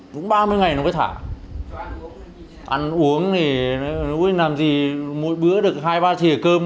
đúng ba mươi ngày nó mới thả ăn uống thì làm gì mỗi bữa được hai ba thịa cơm